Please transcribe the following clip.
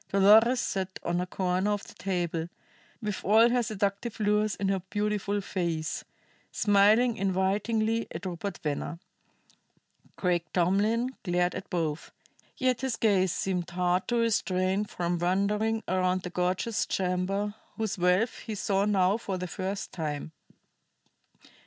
Dolores sat on a corner of the table, with all her seductive lures in her beautiful face, smiling invitingly at Rupert Venner. Craik Tomlin glared at both, yet his gaze seemed hard to restrain from wandering around the gorgeous chamber, whose wealth he saw now for the first time.